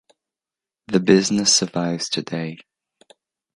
The business survives today.